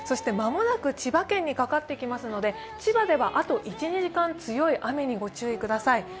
間もなく千葉県にかかってきますので千葉ではあと１２時間、強い雨にご注意ください。